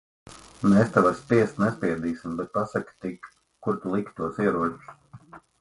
Mēs tev ar spiest nespiedīsim. Bet pasaki tik, kur tu liki tos ieročus?